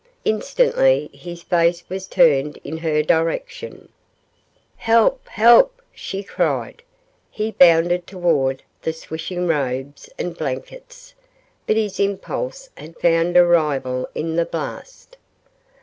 Instantly his face was turned in her direction. "Help! Help!" she cried. He bounded toward the swishing robes and blankets, but his impulse had found a rival in the blast.